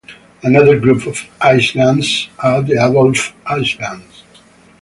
Another group of islands are the Adolph Islands.